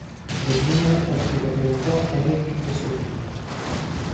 Regina ospita per un po' Eric e suo figlio.